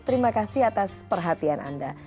terima kasih atas perhatian anda